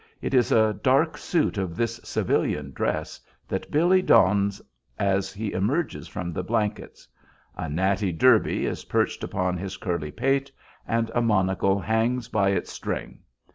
It is a dark suit of this civilian dress that Billy dons as he emerges from the blankets. A natty Derby is perched upon his curly pate, and a monocle hangs by its string.